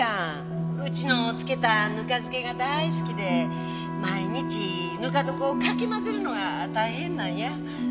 うちの漬けたぬか漬けが大好きで毎日ぬか床をかき混ぜるのが大変なんや。